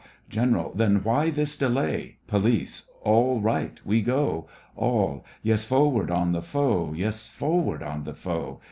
GENERAL: Then why this delay? POLICE: All right, we go. ALL: Yes, forward on the foe! Yes, forward on the foe!